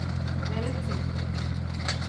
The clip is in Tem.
Beeliti.